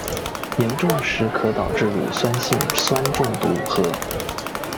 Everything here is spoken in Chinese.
严重时可导致乳酸性酸中毒和。